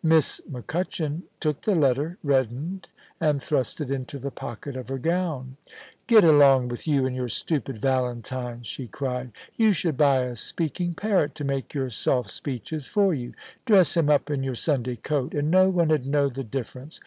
Miss MacCutchan took the letter, reddened, and thrust it into the f)Ocket of her gown. 'Get along with you and your stupid valentines!' she cried. *You should buy a speaking parrot to make your soft speeches for you. Dress him up in your Sunday coat, and no one 'ud know the difference.